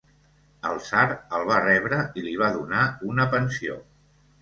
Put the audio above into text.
El tsar el va rebre i li va donar una pensió.